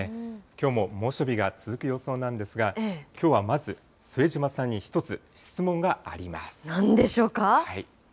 きょうも猛暑日が続く予想なんですが、きょうはまず、副島さんになんでしょうか？